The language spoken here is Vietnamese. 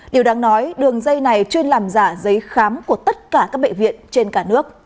điều đáng nói đường dây này chuyên làm giả giấy khám của tất cả các bệnh viện trên cả nước